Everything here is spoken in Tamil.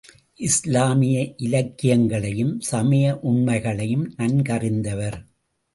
இஸ்லாமிய இலக்கியங்களையும், சமய உண்மைகளையும் நன்கறிந்தவர்.